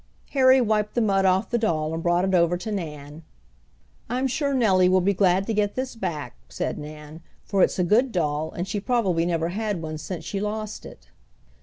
Harry wiped the mud off the doll and brought it over to Nan. "I'm sure Nellie will be glad to get this back," said Nan, "for it's a good doll, and she probably never had one since she lost it."